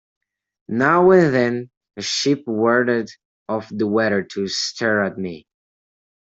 Now and then a sheep wandered off the heather to stare at me.